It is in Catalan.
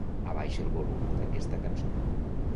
Abaixa el volum d'aquesta cançó.